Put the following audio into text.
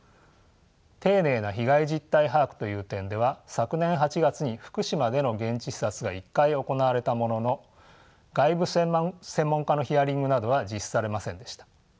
丁寧な被害実態把握という点では昨年８月に福島での現地視察が一回行われたものの外部専門家のヒアリングなどは実施されませんでした。